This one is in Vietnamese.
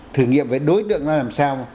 thử nghiệm với đối tượng nó làm sao